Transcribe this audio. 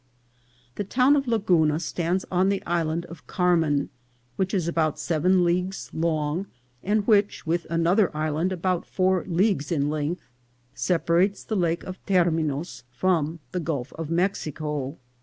THE town of Laguna stands on the island of Carmen, which is about seven leagues long, and which, with an other island about four leagues in length, separates the Lake of Terminos from the Gulf of Mexico.